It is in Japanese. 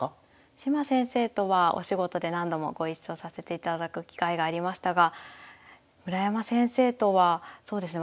島先生とはお仕事で何度もご一緒させていただく機会がありましたが村山先生とはそうですね